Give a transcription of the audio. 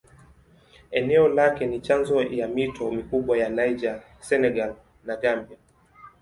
Eneo lake ni chanzo ya mito mikubwa ya Niger, Senegal na Gambia.